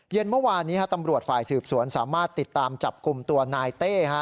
เมื่อวานนี้ตำรวจฝ่ายสืบสวนสามารถติดตามจับกลุ่มตัวนายเต้